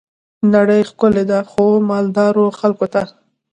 نړۍ ښکلي ده خو، مالدارو خلګو ته.